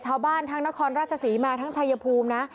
ชาวบ้านทั้งนครราชศรีมาทั้งชายภูมินะ